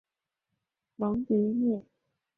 蒙蒂涅。